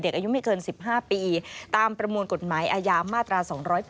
อายุไม่เกิน๑๕ปีตามประมวลกฎหมายอาญามาตรา๒๘